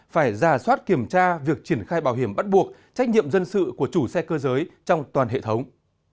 phải giả soát kiểm tra việc triển khai bảo hiểm bắt buộc trách nhiệm dân sự của chủ xe cơ giới trong toàn hệ thống